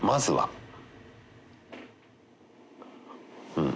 うん。